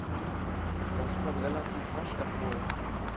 Das kann relativ rasch erfolgen.